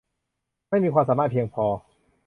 ไม่มีความสามารถเพียงพอ